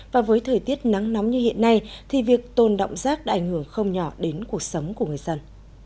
và với thời tiết nắng nóng như hiện nay thì việc tôn động rác đã ảnh hưởng không nhỏ đến cuộc sống của người dân